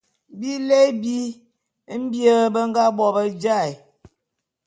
Bilé bi mbie be nga bo be jaé'.